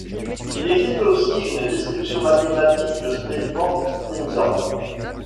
Il existe aussi une description mathématique de Stefan Stenzhorn.